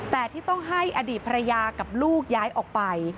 แต่ที่ต้องให้อดีตภรรยากับลูกย้ายออกไป